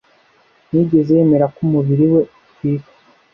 Ntiyigeze yemera ko umubiri we utwikwa